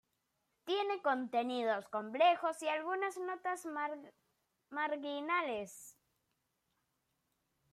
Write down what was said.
Tiene contenidos complejos y algunas notas marginales.